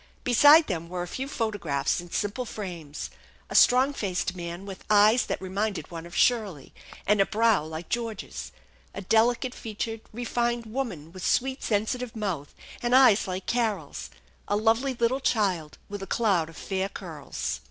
Beside them were a few photographs in simple frames, a strong faced man with eyes that reminded one of Shirley and a brow like George's; a delicate featured, refined woman with sweet, sensitive mouth and eyes like Carol's; a lovely little child with a cloud of fair curls.